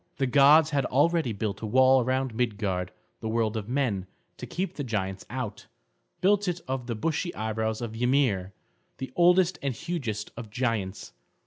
The gods had already built a wall around Midgard, the world of men, to keep the giants out; built it of the bushy eyebrows of Ymir, the oldest and hugest of giants.